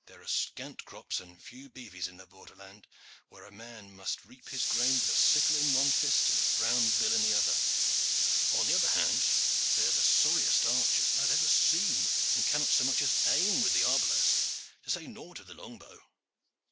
There are scant crops and few beeves in the borderland, where a man must reap his grain with sickle in one fist and brown bill in the other. On the other hand, they are the sorriest archers that I have ever seen, and cannot so much as aim with the arbalest, to say nought of the long bow.